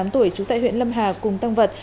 hai mươi tám tuổi trú tại huyện lâm hà cùng tăng vật